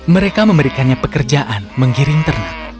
mereka memberikannya pekerjaan menggiring ternak